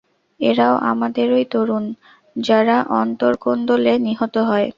এরাও আমাদেরই তরুণ, যারা অন্তর্কোন্দলে নিহত হয়।